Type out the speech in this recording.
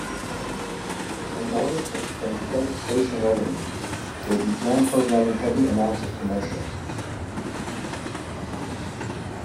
In order to inflate station revenues, they began programming heavy amounts of commercials.